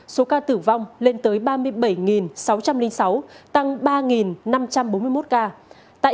số ca tử vong lên tới ba mươi bảy sáu trăm linh sáu tăng ba năm trăm bốn mươi một ca